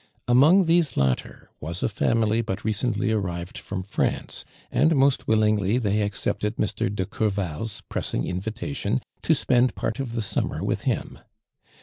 Among these latter wa^ a family but re cently arrived from France, and most wil lingly they accepted Mr. de Courval" s pres sing invitation to spend part of the summer with him.